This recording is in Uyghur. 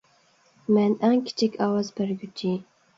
مەن ئەڭ كىچىك ئاۋاز بەرگۈچى